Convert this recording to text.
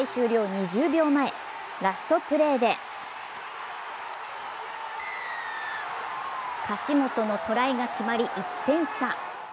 ２０秒前、ラストプレーで樫本のトライが決まり１点差。